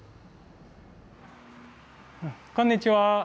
こんにちは！